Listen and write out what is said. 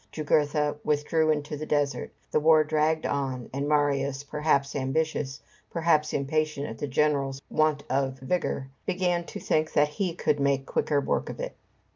Jugurtha withdrew into the desert; the war dragged on; and Marius, perhaps ambitious, perhaps impatient at the general's want of vigor, began to think that he could make quicker work of it.